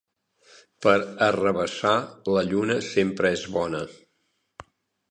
Per arrabassar, la lluna sempre és bona.